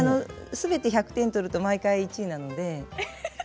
全て１００点取ると毎回１位なので。